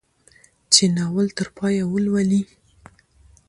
چې ناول تر پايه ولولي.